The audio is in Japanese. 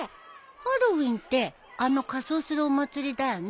ハロウィーンってあの仮装するお祭りだよね。